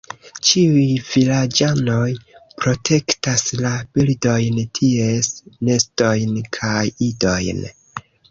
Ĉiuj vilaĝanoj protektas la birdojn, ties nestojn kaj idojn.